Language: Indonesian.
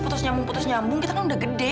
putus nyambung putus nyambung kita kan udah gede